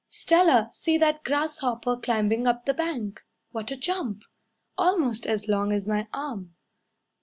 "Stella, see that grasshopper Climbing up the bank! What a jump! Almost as long as my arm."